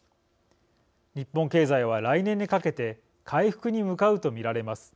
日本経済は来年にかけて回復に向かうと見られます。